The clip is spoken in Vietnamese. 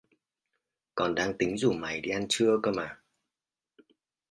Còn đang tính rủ mày đi ăn trưa cơ mà